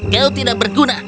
kau tidak berguna